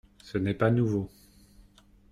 ce n’est pas nouveau.